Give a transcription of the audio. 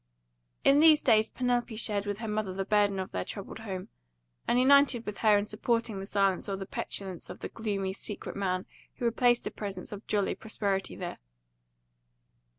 In these days Penelope shared with her mother the burden of their troubled home, and united with her in supporting the silence or the petulance of the gloomy, secret man who replaced the presence of jolly prosperity there.